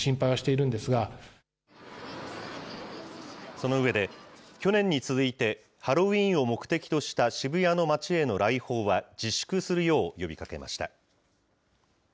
その上で、去年に続いて、ハロウィーンを目的とした渋谷の街への来訪は自粛するよう呼びかけました。